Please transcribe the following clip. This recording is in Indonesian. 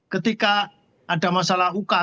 ketika ada masalah uka